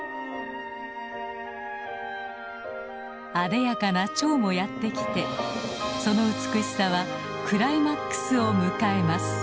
あでやかな蝶もやって来てその美しさはクライマックスを迎えます。